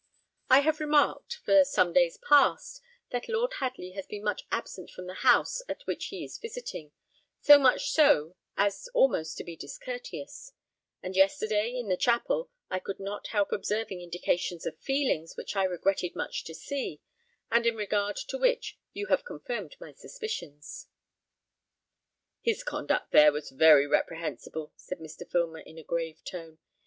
I have remarked, for some days past, that Lord Hadley has been much absent from the house at which he is visiting, so much so as almost to be discourteous; and yesterday, in the chapel, I could not help observing indications of feelings which I regretted much to see, and in regard to which you have confirmed my suspicions." "His conduct there was very reprehensible," said Mr. Filmer, in a grave tone.